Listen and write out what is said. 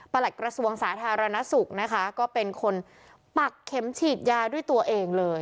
หลักกระทรวงสาธารณสุขนะคะก็เป็นคนปักเข็มฉีดยาด้วยตัวเองเลย